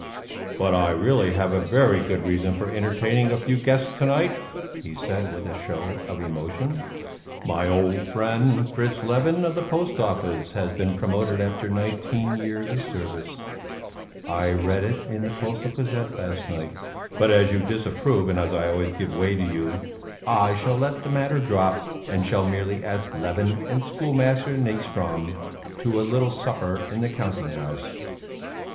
"But I really have a very good reason for entertaining a few guests to night," he said with a show of emotion; "my old friend, Fritz Levin, of the Post Office, has been promoted after nineteen years' service I read it in the Postal Gazette last night. But as you disapprove, and as I always give way to you, I shall let the matter drop, and shall merely ask Levin and schoolmaster Nyström to a little supper in the counting house."